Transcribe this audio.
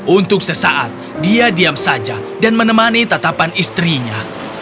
untuk sesaat dia diam saja dan menemani tatapan istrinya